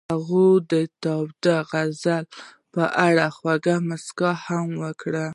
هغې د تاوده غزل په اړه خوږه موسکا هم وکړه.